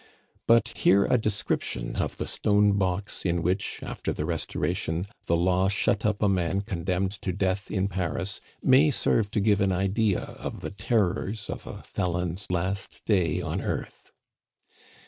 But here a description of the stone box in which after the Restoration, the law shut up a man condemned to death in Paris, may serve to give an idea of the terrors of a felon's last day on earth.